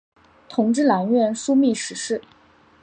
同知南院枢密使事。